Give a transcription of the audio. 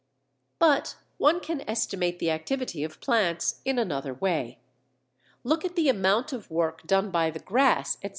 But one can estimate the activity of plants in another way. Look at the amount of work done by the Grass, etc.